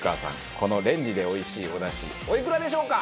このレンジで美味しいおだしおいくらでしょうか？